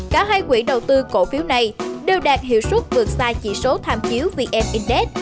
cả hai quỹ đầu tư cổ phiếu này đều đạt hiệu suất vượt xa chỉ số tham chiếu vn index